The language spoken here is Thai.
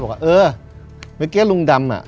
บอกว่าเออเมื่อกี้ลุงดำอ่ะ